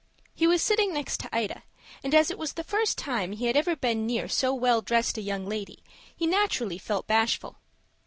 He was sitting next to Ida, and as it was the first time he had ever been near so well dressed a young lady, he naturally felt bashful.